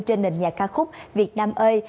trên nền nhạc ca khúc việt nam ơi